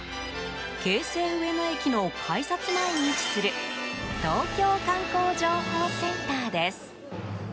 京成上野駅の改札前に位置する東京観光情報センターです。